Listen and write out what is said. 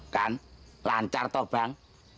kan lancar tau bang